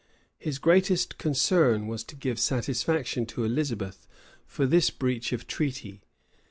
His greatest concern was to give satisfaction to Elizabeth for this breach of treaty.